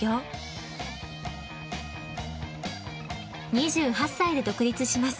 ２８歳で独立します。